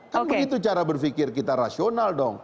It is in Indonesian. kan begitu cara berpikir kita rasional dong